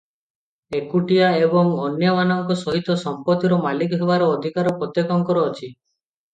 ଏକୁଟିଆ ଏବଂ ଅନ୍ୟମାନଙ୍କ ସହିତ ସମ୍ପତିର ମାଲିକ ହେବାର ଅଧିକାର ପ୍ରତ୍ୟେକଙ୍କର ଅଛି ।